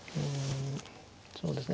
そうですね。